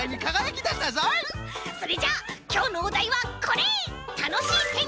それじゃきょうのおだいはこれ！